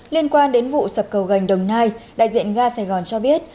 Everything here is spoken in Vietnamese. liên quan đến vụ sập cầu gành đồng nai đại diện ga sài gòn cho biết